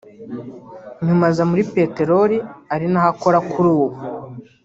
nyuma aza muri peteroli ari naho akora kuri ubu